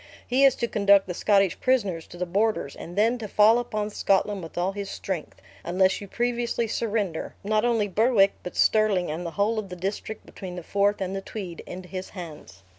He is to conduct the Scottish prisoners to the borders, and then to fall upon Scotland with all his strength, unless you previously surrender, not only Berwick, but Stirling, and the whole of the district between the Forth and the Tweed, into his hands."